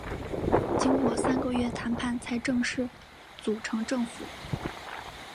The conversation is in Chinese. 经过三个月谈判才正式组成政府。